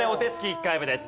１回目です。